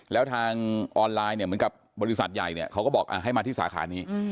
แล้วทางออนไลน์เนี่ยเหมือนกับบริษัทใหญ่เนี่ยเขาก็บอกให้มาที่สาขานี้